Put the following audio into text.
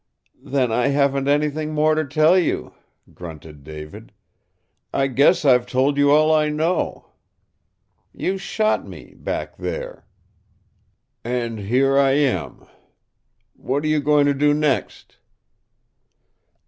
"Then I haven't anything more to tell you," grunted David. "I guess I've told you all I know. You shot me, back there. And here I am. What are you going to do next?"